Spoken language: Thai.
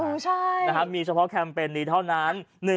ใช่นะครับมีเฉพาะแคมเปญนี้เท่านั้น